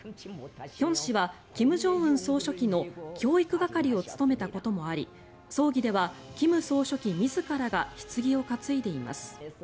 ヒョン氏は金正恩総書記の教育係を務めたこともあり葬儀では金総書記自らがひつぎを担いでいます。